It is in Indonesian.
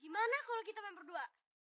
di mana kalau kita main berdua